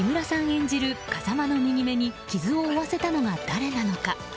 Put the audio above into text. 演じる風間の右目に傷を負わせたのが誰なのか。